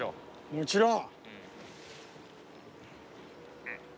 もちろん！